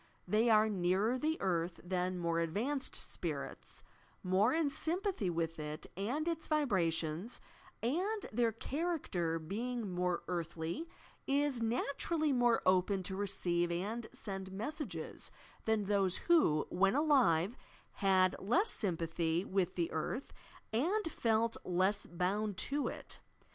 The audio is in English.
They are nearer the earth than more advanced spirits, more in sympathy with it and its vibrations, and their character, being more earthly, is naturally more open to receive and send messages than those who, when alive, had less sympathy with 191 192 YOUB PSYCHIC POWERS the earth and feit less botmd to it.